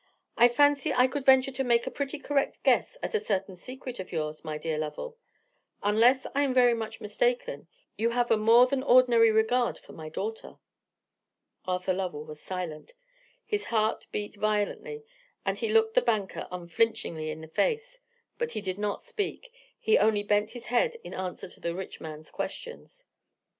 "I fancy I could venture to make a pretty correct guess at a certain secret of yours, my dear Lovell. Unless I am very much mistaken, you have a more than ordinary regard for my daughter." Arthur Lovell was silent, his heart beat violently, and he looked the banker unflinchingly in the face; but he did not speak, he only bent his head in answer to the rich man's questions.